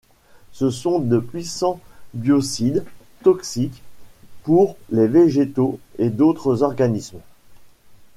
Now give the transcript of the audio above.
Ce sont de puissants biocides, toxiques pour les végétaux et d'autres organismes.